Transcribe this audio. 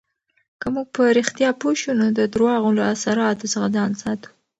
که موږ په رښتیا پوه شو، نو د درواغو له اثراتو څخه ځان ساتو.